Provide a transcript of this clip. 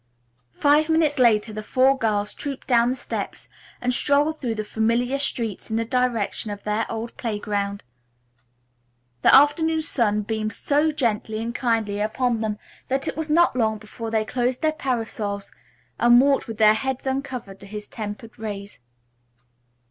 Five minutes later the four girls trooped down the steps and strolled through the familiar streets in the direction of their old playground. The afternoon sun beamed so gently and kindly upon them that it was not long before they closed their parasols and walked with their heads uncovered to his tempered rays.